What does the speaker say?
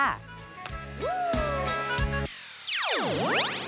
วู้ว